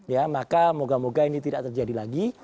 ya maka moga moga ini tidak terjadi lagi